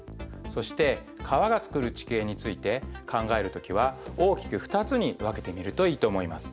そして川がつくる地形について考える時は大きく２つに分けてみるといいと思います。